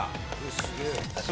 すげえ。